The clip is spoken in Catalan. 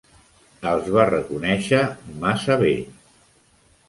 Els va reconèixer massa bé.